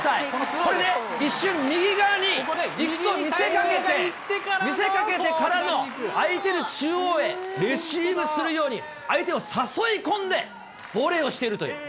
これね、一瞬、右側に行くと見せかけて、見せかけてからの、空いてる中央へレシーブするように、相手を誘い込んで、ボレーをしているという。